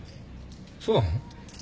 そうなの？